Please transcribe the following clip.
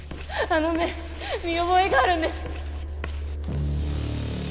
あの目見覚えがあるんです